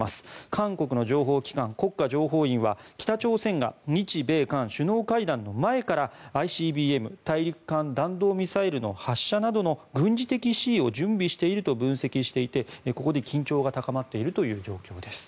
韓国の情報機関、国家情報院は北朝鮮が日米韓首脳会談の前からＩＣＢＭ・大陸間弾道ミサイルの発射などの軍事的恣意を準備していると分析していてここで緊張が高まっているという状況です。